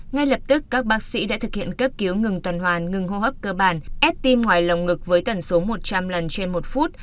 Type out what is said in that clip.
ngay lập tức các bác sĩ đã thực hiện cấp cứu ngừng tuần hoàn ngừng hô hấp cơ bản ép tim ngoài lồng ngực với tần số một trăm linh lần trên một phút